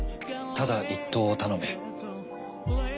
ただ一燈を頼め。